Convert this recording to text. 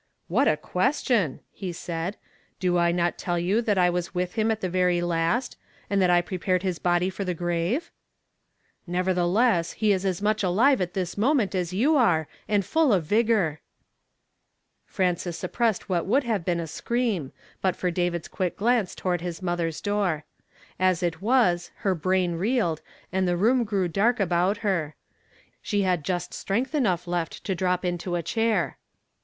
"What a question !" he said. "Do I not tell you thict I was with him at tho vjiy last, and that I pi epared his body for the gvaxe ?" "•Nevertheless, he is as much alive at this mo ment as you are, and as full of vigor," Frances suppressed what would have boon a scream, but for David'o quick glance toward his mothei';^ door. As it was, her brain reeled, and the room grew dark about her, she had just strength enough kft to drop into a cliair.